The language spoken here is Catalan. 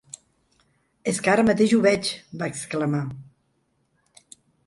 És que ara mateix ho veig!, va exclamar.